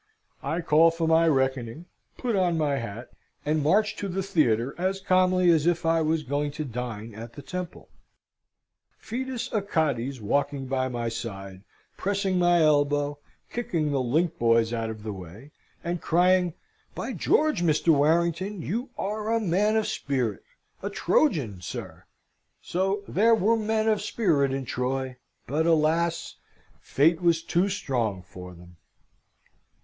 I call for my reckoning, put on my hat, and march to the theatre as calmly as if I was going to dine at the Temple; fidus Achates walking by my side, pressing my elbow, kicking the link boys out of the way, and crying, "By George, Mr. Warrington, you are a man of spirit a Trojan, sir!" So, there were men of spirit in Troy; but alas! fate was too strong for them.